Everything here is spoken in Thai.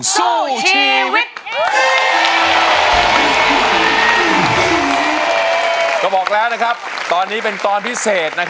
สู้ชีวิต